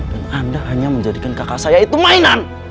dan anda hanya menjadikan kakak saya itu mainan